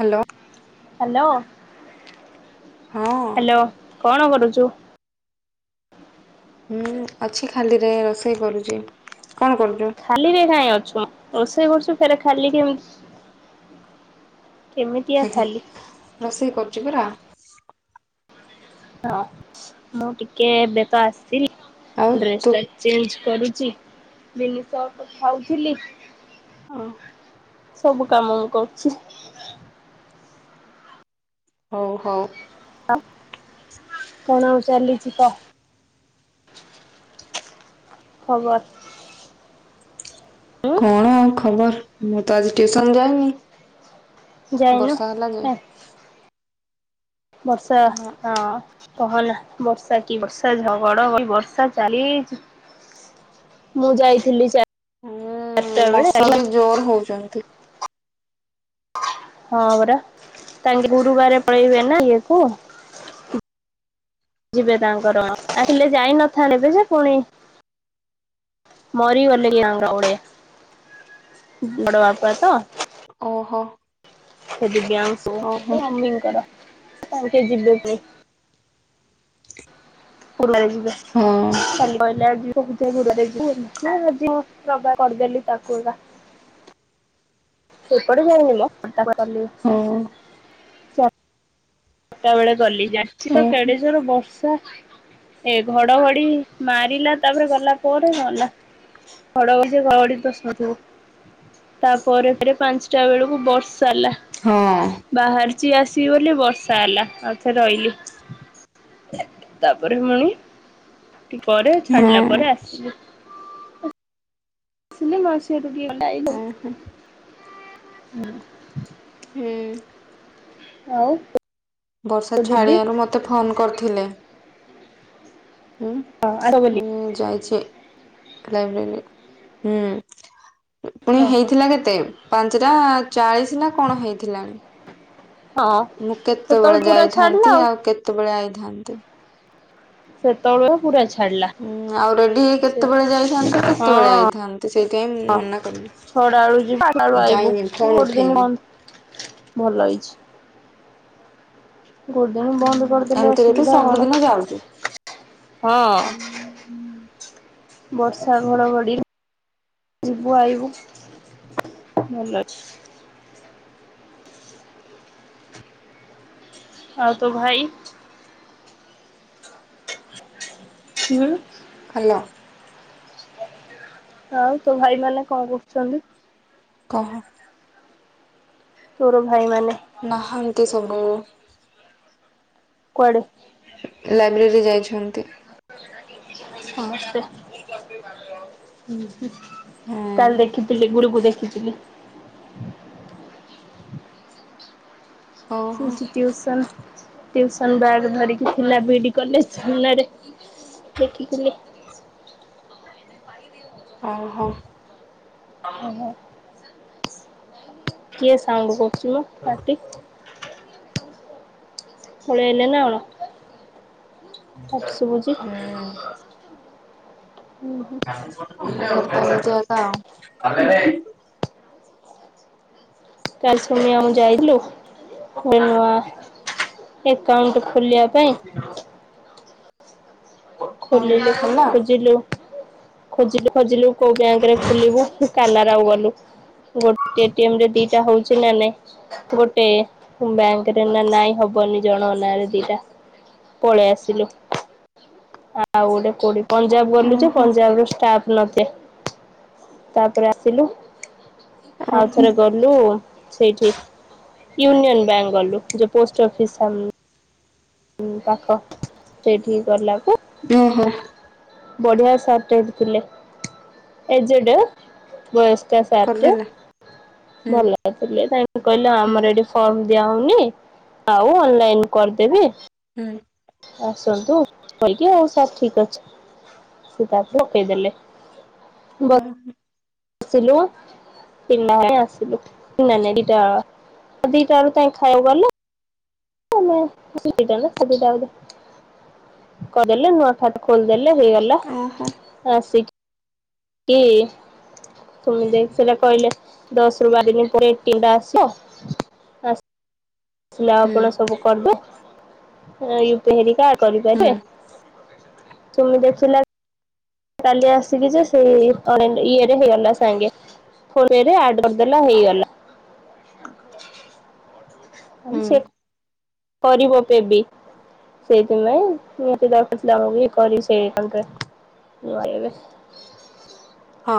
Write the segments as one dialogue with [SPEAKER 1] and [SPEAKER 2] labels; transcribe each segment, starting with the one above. [SPEAKER 1] Hello.
[SPEAKER 2] Hello.
[SPEAKER 1] ହଁ।
[SPEAKER 2] କଣ କରୁଛୁ?
[SPEAKER 1] ହୁଁ ଅଛି ଖାଲି ରେ ରୋଷେଇ କରୁଛି। କଣ କରୁଛୁ?
[SPEAKER 2] ଖାଲିରେ କାହିଁ ଅଛୁ ରୋଷେଇ କରୁଛୁ ଫେରେ ଖାଲି କେମତି।
[SPEAKER 1] ରୋଷେଇ କରୁଛି ପରା।
[SPEAKER 2] ହଁ ମୁଁ ଟିକେ ଏବେ ତ ଆସିଲି
[SPEAKER 1] ଆଉ
[SPEAKER 2] ଡ୍ରେସ
[SPEAKER 1] ତୁ
[SPEAKER 2] ଟା ଚେଞ୍ଜ କରି ଚି ମିଳି ଷହ ତ ଖାଉଥିଲି।।
[SPEAKER 1] ହଁ।
[SPEAKER 2] ସବୁ କାମ ମୁଁ କରୁଛି।
[SPEAKER 1] ହଉ ହଉ।
[SPEAKER 2] ଆଉ କଣ ଆଉ ଚାଲିଛି କ। ଖବର।
[SPEAKER 1] କଣ ଆଉ ଖବର ମୁଁ ତ ଆଜି ଟ୍ୟୁସନ ଯାଇନି।
[SPEAKER 2] ଯାଇନୁ
[SPEAKER 1] ବର୍ଷା ହେଲା ଯେ।
[SPEAKER 2] କାଇଁ ବର୍ଷା
[SPEAKER 1] ନା
[SPEAKER 2] ହଁ। କହନା ବର୍ଷା କି ବର୍ଷା ଝଗଡ ବର୍ଷା ଚାଲିଚି। ମୁଁ ଯାଇଥିଲି ଚା
[SPEAKER 1] ହୁଁ ମଶା ବି ଜୋର ହଉଚନ୍ତି।
[SPEAKER 2] ହଁ ପରା ତାଙ୍କେ ଗୁରୁବାରେ ପଳେଇିବେ ନା ଇଏ କୁ। ଯିବେ ତାଙ୍କର ଆକଚୁଲି ଯାଇ ନଥାନ୍ତେ ଏବେ ସେ ପୁଣି। ମରି ଗଲେ [unintelligible] ବଡ଼ ବାପା ତ।
[SPEAKER 1] ଓହୋ।
[SPEAKER 2] ତ ଦିବ୍ୟାନଶୁ
[SPEAKER 1] ଓହୋ
[SPEAKER 2] ମମି ଙ୍କର ତାଙ୍କେ ଯିବେ ପୁଣୀ। ପୁରୁଣା ରେ ଯିବେ
[SPEAKER 1] ହଁ
[SPEAKER 2] କାଲି କହିଲେ ଆଜି। [unintelligible]
[SPEAKER 1] ହଉ
[SPEAKER 2] [unintelligible] ସଟା ବେଳେ ଗଲି ଯାଇଛି
[SPEAKER 1] ଓ
[SPEAKER 2] ତ କେଡେ ଯୋର ବର୍ଷା। ଏ ଘଡଘଡି ମାରିଲା ତାପରେ ଗଲା ପରେ ଗଲା। ଘଡଘଡ଼ି ସେ ଘଡଘଡି ତୁ ସୁନିଥିବୁ ତାପରେ ଫେରେ ପାଞ୍ଚଟା ବେଳକୁ ବର୍ଷା। ଚାଲିଲା
[SPEAKER 1] ହଁ
[SPEAKER 2] ବାହାରିଛି ଆସିବି ବୋଲି ବସ ର୍ଷା ହେଲା ଆଉଥରେ ରହିଲି ତାପରେ ପୁଣୀ। ଟିକେ ପରେ
[SPEAKER 1] ହଁ।
[SPEAKER 2] ଛାଡିଲା ପରେ ଆସିଲି। ଆସିଲ ମାଉସୀ ଘରକୁ ଟିକେ ଗଲା ଆଇଲୁ। ହୁଁ।
[SPEAKER 1] ହୁଁ
[SPEAKER 2] ଆଉ।
[SPEAKER 1] ବର୍ଷା
[SPEAKER 2] ତୋ ଦିଦି
[SPEAKER 1] ଛାଡିବାରୁ ମତେ ଫୋନ୍ କରିଥିଲେ। ଉଁ
[SPEAKER 2] ହଁ ଆସ ବୋଲି
[SPEAKER 1] ହୁଁ ଯାଇଛି। ଲାଇବ୍ରେରୀ ହୁଁ। ପୁଣି
[SPEAKER 2] ଓହୋ
[SPEAKER 1] ହେଇଥିଲା କେତେ ପାଞ୍ଚଟା ଚାଳିଶ ନା କଣ ହେଇଥିଲାଣି।
[SPEAKER 2] ହଁ
[SPEAKER 1] ମୁଁ କେତେବେଳେ
[SPEAKER 2] ସେତେବେଳେ ପୁରା ଛାଡିଲା
[SPEAKER 1] ଯାଇଥାନ୍ତି ଆଉ କେତେବେଳେ ଆଇଥାନ୍ତି।
[SPEAKER 2] ସେତେବେଳ ପୁରା ଛା ଛାଡ଼ିଲା
[SPEAKER 1] ହୁଁ ଆଉ ରେଡି ହେଇ କେତେବେଳେ ଯାଇଥାନ୍ତି
[SPEAKER 2] ହଁ
[SPEAKER 1] କେତେବେଳେ ଆଇଥାନ୍ତି ସେଇଥିପାଇଁ ମୁଁ
[SPEAKER 2] ହଁ। ଛ
[SPEAKER 1] ମନା କଲି।
[SPEAKER 2] ଟା ବେଳୁ ଯିବୁ ଆଠ ଟା ଆଇବୁ
[SPEAKER 1] ଯାଇନି ଫୋନ
[SPEAKER 2] ଗୋଟେ ଦିନ
[SPEAKER 1] ଉଠେଇନି
[SPEAKER 2] ବନ୍ଦ ଭଲ ହେଇଛି। ଗୋଟେ ଦିନ ବନ୍ଦ କରିଦେଲେ
[SPEAKER 1] ଏମିତିରେ ତ
[SPEAKER 2] ଅସୁବିଧା କଣ।
[SPEAKER 1] ସବୁଦିନ ଯାଉଛୁ।
[SPEAKER 2] ହଁ ବର୍ଷା ଘଡଘଡି। ଯିବୁ ଆଇବୁ ଭଲଅଛି। ଆଉ ତୋ ଭାଇ। କଣ କହିଲ?
[SPEAKER 1] ହାଲୋ।
[SPEAKER 2] ଆଉ ତୋ ଭାଇ ମାନେ କ'ଣ କରହୁଛନ୍ତି?
[SPEAKER 1] କହ।
[SPEAKER 2] ତୋର ଭାଇମାନେ
[SPEAKER 1] ନାହାନ୍ତି ସବୁ।
[SPEAKER 2] କୁଆଡେ?
[SPEAKER 1] [inaudible] ଯାଇଛନ୍ତି।
[SPEAKER 2] ସମସ୍ତେ, ହୁଁ। ହୁଁ,
[SPEAKER 1] ହୁଁ
[SPEAKER 2] କାଲି ଦେଖିଥିଲି ଗୁରୁକୁ ଦେଖିଥିଲି। ସେ
[SPEAKER 1] ଓହୋ
[SPEAKER 2] ଟି ଟିଉସନ ଟିଉସନ୍ ବ୍ୟାଗ ଧରିକି ଥିଲା ବି ଡି କଲେଜ ସାମ୍ନାରେ। ଦେଖିଥିଲି।
[SPEAKER 1] ହଉ ହଉ।
[SPEAKER 2] ହେ ହେ କିଏ ସାଉଣ୍ଡ କରୁଛି ମ ପାଟି? ପଳେଇଲେ ନା କ'ଣ? ପାଟି ଶୁଭୁଛି
[SPEAKER 1] ହୁଁ।
[SPEAKER 2] ହୁଁ, ହୁଁ।
[SPEAKER 1] [inaudible]
[SPEAKER 2] କାଲି ସୋମ୍ୟା ଆଉ ମୁଁ ଯାଇଥିଲୁ ଗୋଟେ ନୂଆ ଏକାଉଣ୍ଟ ଖୋଲିବା ପାଇଁ।
[SPEAKER 1] ଆଉ
[SPEAKER 2] ଖୋଲିଲୁ,
[SPEAKER 1] ହେଲା
[SPEAKER 2] ଖୋଜିଲୁ। ଖୋଜିଲୁ ଖୋଜିଲୁ କୋଉ ବ୍ୟାଙ୍କରେ ଖୋଲିବୁ ପୁଣି କାନାଡାକୁ ଗଲୁ। ଗୋଟେ ଏ ଟି ଏମ୍ ରେ ଦିଟା ହଉଛି ନା ନାଇ ଗୋଟେ ବ୍ୟାଙ୍କରେ ନା ନାଇଁ ହ ବନି ଜଣଙ୍କ ନାଆରେ ଦିଟା ପଳେଇ ଆସିଲୁ। ଆଉ ଗୋଟେ କୋଉଠି ପଞ୍ଜାବ ଗଲୁ ଯେ
[SPEAKER 1] ଓହୋ
[SPEAKER 2] ପଞ୍ଜାବର ଷ୍ଟାଫ ନଥିଲେ, ତାପରେ ଆସିଲୁ।
[SPEAKER 1] ଓହୋ।
[SPEAKER 2] ଆଉ ଥରେ ଗଲୁ ସେଇଠି ୟୁନିଅନ ବ୍ୟାଙ୍କ ଗଲୁ ଯୋଉ ପୋଷ୍ଟ ଅଫିସ ସମ୍ ପାଖ ସେଇଠିକି ଗଲାକୁ
[SPEAKER 1] ଓହୋଃ!
[SPEAKER 2] ବଢିଆ ସାରଟେ ହେଇଠି ଥିଲେ ଏଜଡ୍ ବୟସ୍ ଚା ସାରଟେ
[SPEAKER 1] କରିଦେଲା ହୁଁ
[SPEAKER 2] ଭଲ ଥିଲେ ତାଙ୍କେ କହିଲେ
[SPEAKER 1] ହୁଁ
[SPEAKER 2] ଆମର ଏଇଠି ଫର୍ମ ଦିଆହଉନି ଆଉ ଅନଲାଇନ କରିଦେବି।
[SPEAKER 1] ହୁଁ
[SPEAKER 2] ଆସନ୍ତୁ କହିକି ଆଉ ସବୁ ଠିକ୍ ଅଛି। ସେ ତାପରେ ପକେଇଦେଲେ, ଭ
[SPEAKER 1] ହଁ
[SPEAKER 2] ସିଲୁ ତିନିଟା ବେଳେ ଆସିଲୁ ନାଇଁ ନାଇଁ ଦିଟା ଦିଟା ବେଳକୁ ତ ଆମେ ଖାଇବାକୁ ଗଲୁ। ଆମେ [unintelligible] ସୁବିଧା ବୋଲି କରିଦେଲେ ନୂଆ ଖାତା ଖୋଲିଦେଲ ଲେ ହେଇଗଲା
[SPEAKER 1] ଓହୋ
[SPEAKER 2] ଆଁ ସେଇ କି ତୁମେ ଯାଇ ସେଟା କହିଲେ ଦଶ ରୁ ବାର ଦିନ ପରେ ଏ ଟି ଏମ୍ ଟା ଟା ଆସିବ। ଆସ୍ ଆସିଲା ଆଉ
[SPEAKER 1] ହୁଁ
[SPEAKER 2] କ'ଣ ସବୁ କରିଦେ ୟୁ ପି ଆଇ ହେରିକା।
[SPEAKER 1] ହୁଁ
[SPEAKER 2] କରିଦେବେ, ତୁମେ ଦେଖିଲା କାଲି ଆସିକି ଯେ ସେଇ ଅନଲାଇନ୍ ଇଏରେ ହେଇଗଲା ସାଙ୍ଗେ [unintelligible] ଆଡ କରି ଦେଲା ହେଇଗଲା। ମାନେ
[SPEAKER 1] ହୁଁ
[SPEAKER 2] ସିଏ କରିବ ପେଏ ବି। ସେଇଥି ପାଇଁ ମତେ ଦରକାର ଥିଲା ଇଏ କରିବି ସେଇ ଆକାଉଣ୍ଟରେ। [unintelligible]
[SPEAKER 1] ହଁ।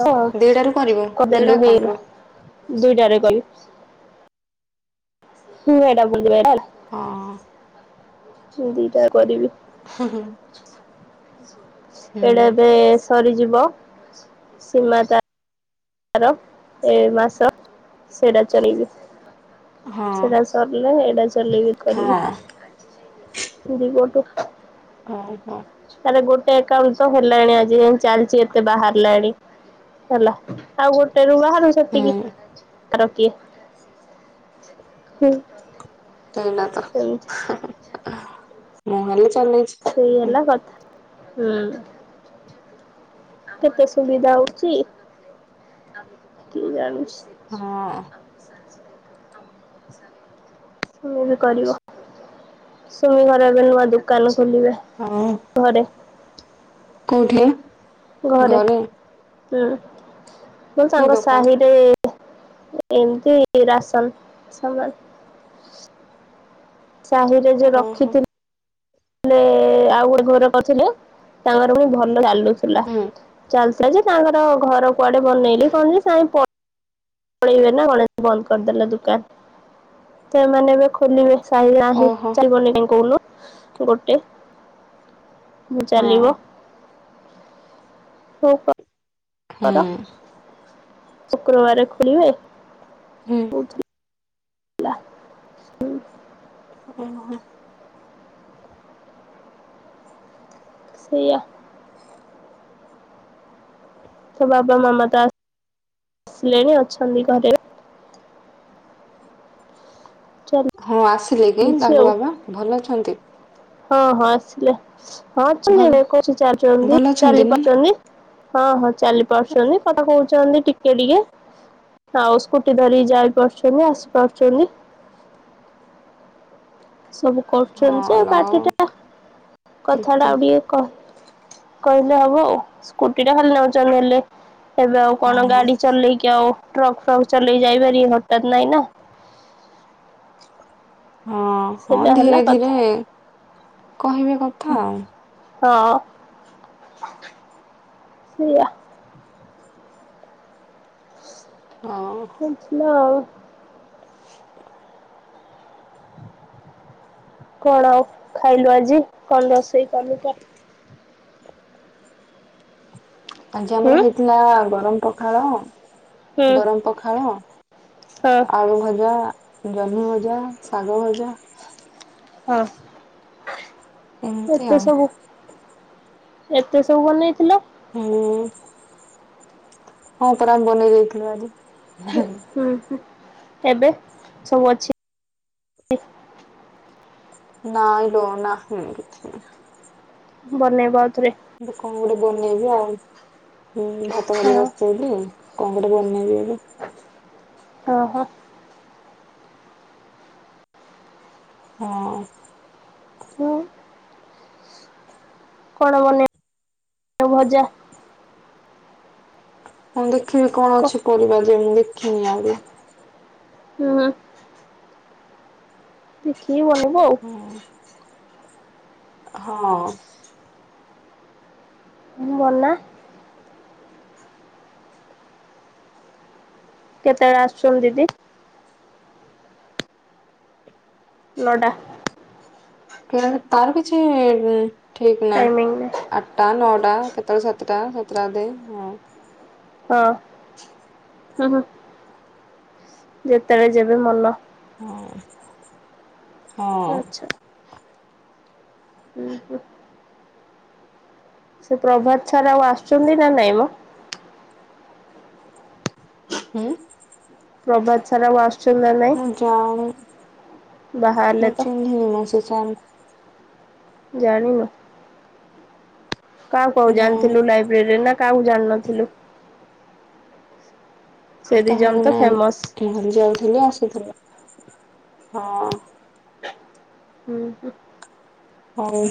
[SPEAKER 2] ହଁ
[SPEAKER 1] ଦିଟାରୁ କରିବ ଦିଟା
[SPEAKER 2] କଦେଲୁ
[SPEAKER 1] ଆକାଉଣ୍ଟରୁ
[SPEAKER 2] ହେଇଗଲା ଦୁଇଟାରେ କଲି। ହୁଁ ହେଇଟା ବୁଝି ପାଇଲା ହେଲା।
[SPEAKER 1] ହଁ।
[SPEAKER 2] ଦିଟା କରିବି।
[SPEAKER 1] ହୁଁ-ହୁଁ।
[SPEAKER 2] ଏଟା ଏବେ ସରିଯିବ, ସୀମା ତା ତାର ଏ ମାସ ସେଇଟା ଚଳିବି।
[SPEAKER 1] ହଁ
[SPEAKER 2] ସେଟା ସରିଲେ ଏଇଟା ଚଲେଇବି କରିବି।
[SPEAKER 1] ହଁ
[SPEAKER 2] ଦି ପଟୁ।
[SPEAKER 1] ହଉ ହଉ
[SPEAKER 2] ତାର ଗୋଟେ ଏକାଉଣ୍ଟ ତ ହେଲାଣି ଆଜି ଯାଏଁ ଚାଲିଚି ଏତେ ବାହାରିଲାଣି ହେଲା ଆଉ ଗୋଟେରୁ ବାହାରୁ ସେତିକି
[SPEAKER 1] ହୁଁ
[SPEAKER 2] ତାର କିିଏ ହୁଁ।
[SPEAKER 1] ଏଇନା ତ
[SPEAKER 2] ସେମିତି
[SPEAKER 1] ହୁଁ ହୁଁ ମୁଁ ହେଲି
[SPEAKER 2] ସେଇହେଲା କଥା ହୁଁ। କେତେ ସୁବିଧା ହଉଛି, କିଏ ଜାଣୁଛି?
[SPEAKER 1] ହଁ।
[SPEAKER 2] ତୁମେ ବି କରିବ, ସୁମି ଘର ଏବେ ନୂଆ ଦୋକାନ ଖୋଲିବେ
[SPEAKER 1] ହଉ
[SPEAKER 2] ଘରେ।
[SPEAKER 1] କୋଉଠି ଘରେ?
[SPEAKER 2] ହୁଁ ମୋ
[SPEAKER 1] କି
[SPEAKER 2] ସାଙ୍ଗ
[SPEAKER 1] ଦୋକାନ
[SPEAKER 2] ସାହିରେ ଏମତି ରାସନ ସମାନ ସାହିରେ ଯୋଉ
[SPEAKER 1] ଓହୋ
[SPEAKER 2] ରଖିଥିଲି ହେଲେ ଆଉ ଗୋଟେ ଘର କରିଥିଲେ, ତାଙ୍କର ପୁଣି ଭଲ ଚାଲୁଥିଲା।
[SPEAKER 1] ହୁଁ
[SPEAKER 2] ଚାଲୁ ଥିଲା ଯେ ତାଙ୍କର ଘର କୁଆଡେ ବନେଇଲେ କଣ ଯେ କାଇଁ ପ ପଳେଇବେ ନା କଣ ଏବେ ବନ୍ଦ କରିଦେଲେ ଦୋକାନ। ସେମାନେ ଏବେ ଖୋଲିବେ ସାହିଲ ନାହିଁ
[SPEAKER 1] ଓହୋ
[SPEAKER 2] ଚାଲ ବନେଇଦେବି କହୁନୁ ଗୋଟେ ମୁଁ
[SPEAKER 1] ହଁ
[SPEAKER 2] ଚାଲିବ ହଉ କ
[SPEAKER 1] ହୁଁ।
[SPEAKER 2] ଶୁକ୍ରବାରେ ଖୋଲିବେ
[SPEAKER 1] ହୁଁ
[SPEAKER 2] ହଉଚି [unintelligible]
[SPEAKER 1] ଓହୋ।
[SPEAKER 2] ସେଇଆ ତା ବାବା ମାମା ତ ଆସିଲେଣି ଅଛନ୍ତି ଘରେ
[SPEAKER 1] ହଁ ଆସିଲେ କି
[SPEAKER 2] ଚାଲିଛି ଆଉ
[SPEAKER 1] ତାଙ୍କ ବାବା ଭଲ ଅଛନ୍ତି?
[SPEAKER 2] ହଁ ହଁ ଆସିଲେ ହଁ [unintelligible] ଚାଲି
[SPEAKER 1] ଭଲ ଭଲ ଅଛନ୍ତି ନା
[SPEAKER 2] ପାରୁଛନ୍ତି ହଁ ହଁ ଚାଲି ପାରୁଚନ୍ତି କଥା କହୁଛନ୍ତି ଟିକେ ଟିକେ ଆଉ ସ୍କୁଟି ଧରିିକି ଯାଇ ପାରୁଚନ୍ତି ଆସିପାରୁଚନ୍ତି ସବୁ କରୁଛନ୍ତି
[SPEAKER 1] ହଁ
[SPEAKER 2] ଆଉ
[SPEAKER 1] ଲ
[SPEAKER 2] ପାଟିଟା କଥା ଗୁଡା
[SPEAKER 1] କେତେ
[SPEAKER 2] ଆଉ ଟିକେ କହ କହିଲେ ହବ ଆଉ। ସ୍କୁଟି ଟା ଖାଲି ନଉଚନ୍ତି ନେଲେ ଏବେ ଆଉ
[SPEAKER 1] ହଁ
[SPEAKER 2] କଣ ଗାଡି ଚଲେଇକି ଆଉ ଟ୍ରକ୍ ଫ୍ରକ୍ ଚଲେଇ ଯାଇପାରିବେ ହଠାତ୍ ନାଇଁ ନା
[SPEAKER 1] ହଁ ହଁ
[SPEAKER 2] ସେଇଟା
[SPEAKER 1] ଧୀରେ
[SPEAKER 2] ହେଲା
[SPEAKER 1] ଧୀରେ
[SPEAKER 2] କଥା
[SPEAKER 1] କହିବେ କଥା ଆଉ।
[SPEAKER 2] ହଁ ସେଇଆ
[SPEAKER 1] ହଁ
[SPEAKER 2] [unintelligible] [unintelligible] କଣ ଆଉ ଖାଇଲୁ ଆଜି କଣ ରୋଷେଇ କଲୁ କଣ?
[SPEAKER 1] ଆଜି
[SPEAKER 2] ହୁଁ
[SPEAKER 1] ଆମର ହେଇଥିଲା ଗରମ ପଖାଳ
[SPEAKER 2] ହୁଁ
[SPEAKER 1] ଗରମ ପଖାଳ
[SPEAKER 2] ହଁ
[SPEAKER 1] ଆଳୁ ଭଜା, ଜହ୍ନି ଭଜା, ଶାଗ ଭଜା
[SPEAKER 2] ହଁ।
[SPEAKER 1] ଏମିତି
[SPEAKER 2] ଏତେ
[SPEAKER 1] ଆଉ।
[SPEAKER 2] ସବୁ ଏତେ ସବୁ ବନେଇଥିଲ?
[SPEAKER 1] ମୁଁ। ହଁ, ପରା ଆମେ ବନେଇ ଦେଇଥିଲୁ ଆଜି।
[SPEAKER 2] ହୁଁ, ହୁଁ। ଏବେ ସବୁ ଅଛି।
[SPEAKER 1] ନାଇଁ ଦଉନା ସେମିତି କିଛି ନାହିଁ।
[SPEAKER 2] ବନେଇବ ଆଉ ଥରେ?
[SPEAKER 1] ମୁଁ କଣ ଗୋଟେ ବନେଇବି ଆଉ? ହୁଁ, ଭାତ ଡାଲି
[SPEAKER 2] ହଁ
[SPEAKER 1] ବସେଇଲି। କଣ ଗୋଟେ ବନେଇବି ଏବେ।
[SPEAKER 2] ଓ ହୋ।
[SPEAKER 1] ହଁ।
[SPEAKER 2] ହଁ କଣ ବନେଇବ? ଭଜା।
[SPEAKER 1] ମୁଁ ଦେଖିବି କଣ
[SPEAKER 2] କ
[SPEAKER 1] ଅଛି ପରିବା ଯେ, ମୁଁ ଦେଖିନି ଆଉରି।
[SPEAKER 2] ହୁଁ। ଦେଖିକି ବନେଇବୁ ଆଉ।
[SPEAKER 1] ହଁ ହଁ।
[SPEAKER 2] ମୁଁ ମନା। କେତେଏଳେ ଆସୁଛନ୍ତି ଦିଦି? ନ ଟା।
[SPEAKER 1] କି ତାର କିଛି-ଇ ଠିକ୍ ନାହିଁ।
[SPEAKER 2] ଟାଇମିଂ
[SPEAKER 1] ଆଠଟା ନଅଟା। ଟା କେତେବେଳେ ସାତଟା ସାତଟା ଅଧେ ହଁ।
[SPEAKER 2] ହଁ, ହୁଁ ହୁଁ। ଯେତେବେଳେ ଯେବେ ମନ।
[SPEAKER 1] ହଁ, ହଁ।
[SPEAKER 2] ଆଚ୍ଛା ହୁଁ ହୁଁ ସେ ପ୍ରଭାତ ସାର ଆଉ ଆସୁଛନ୍ତି ନା ନାଇଁ ମ?
[SPEAKER 1] ହୁଁ।
[SPEAKER 2] ପ୍ରଭାତ ସାର ଆଉ ଆସୁ
[SPEAKER 1] ମୁଁ ଯାଣି।
[SPEAKER 2] ବାହାହେଲେ
[SPEAKER 1] ମୁଁ
[SPEAKER 2] ତ
[SPEAKER 1] ଚିନ୍ହିନି ମଁ, ସେ ସାର୍ ଙ୍କୁ।
[SPEAKER 2] ଜାଣିନୁ। କାହାକୁ ଆଉ
[SPEAKER 1] ଙ୍କୁ
[SPEAKER 2] ଜାଣିଥିଲୁ
[SPEAKER 1] ନାଇଁ
[SPEAKER 2] ଲାଇବ୍ରେରୀରେ ନା କାହାକୁ ଜାଣିିନଥିଲୁ?
[SPEAKER 1] କାହାକୁ
[SPEAKER 2] ତ
[SPEAKER 1] ନାଇଁ?
[SPEAKER 2] ଫେମସ୍
[SPEAKER 1] ଖାଲି ଯାଉଥିଲି ଆସୁଥିଲୁ। ହଁ।
[SPEAKER 2] ହୁଁ ହୁଁ
[SPEAKER 1] ହଉ।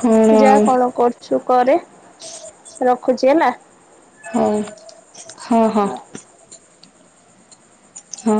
[SPEAKER 1] କଣ
[SPEAKER 2] ଯାହା
[SPEAKER 1] ଆଉ
[SPEAKER 2] କଣ କରୁଛୁ କରେ? ରଖୁଛି ହେଲା।
[SPEAKER 1] ହଁ ହଁ ହଁ। ହଁ।